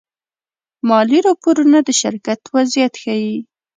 مالي راپورونه د شرکت وضعیت ښيي.